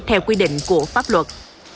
theo quy định của pháp luật